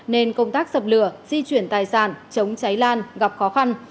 nên công tác dập lửa di chuyển tài sản chống cháy lan gặp khó khăn